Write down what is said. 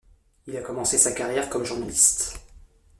Il a commencé sa carrière comme journaliste.